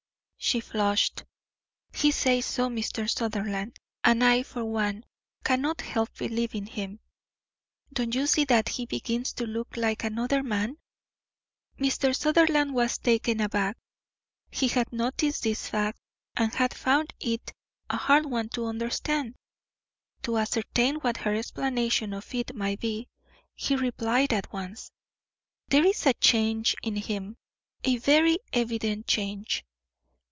She flushed. "He says so, Mr. Sutherland. And I, for one, cannot help believing him. Don't you see that he begins to look like another man?" Mr. Sutherland was taken aback. He had noticed this fact, and had found it a hard one to understand. To ascertain what her explanation of it might be, he replied at once: "There is a change in him a very evident change.